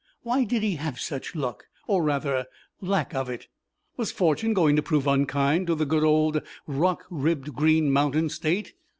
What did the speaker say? Why did he have such luck, or rather lack of it? Was fortune going to prove unkind to the good old rock ribbed Green Mountain State?